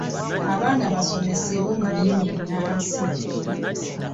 Abaana basomesebwa mu nnimi ennansi.